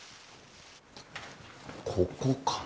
ここかな。